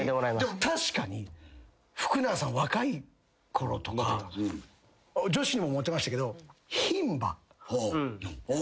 確かに福永さん若いころとか女子にもモテましたけど。